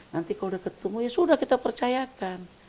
nanti kalau udah ketemu ya sudah kita percayakan